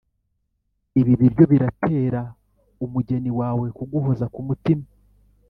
Ibi biryo biratera umugeni wawe kuguhoza ku mutima